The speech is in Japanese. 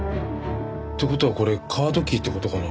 って事はこれカードキーって事かな？